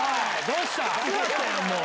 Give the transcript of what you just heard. どうした？